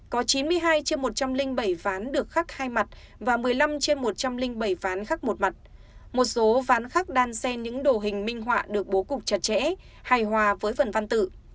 có chín mươi hai trên một trăm linh bảy ván được khắc hai mặt và một mươi năm trên một trăm linh bảy ván khắc một mặt một số ván khắc đan sen những đồ hình minh họa được bố cục chặt chẽ hài hòa với phần văn tự